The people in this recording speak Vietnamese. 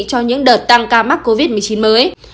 cho những đợt tăng ca mắc covid một mươi chín mới